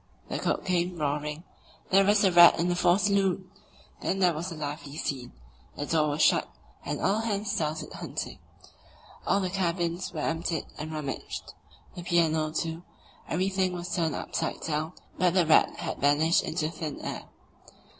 The cook came roaring: "There's a rat in the fore saloon!" Then there was a lively scene; the door was shut, and all hands started hunting. All the cabins were emptied and rummaged, the piano, too; everything was turned upside down, but the rat had vanished into thin air.